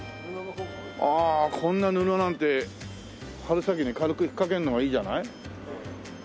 ああこんな布なんて春先に軽く引っ掛けるのがいいじゃない。